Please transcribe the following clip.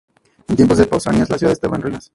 En tiempos de Pausanias la ciudad estaba en ruinas.